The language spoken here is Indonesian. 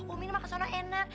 umi ini mah kesana enak